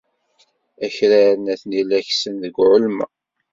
Akraren atni la kessen deg ulma.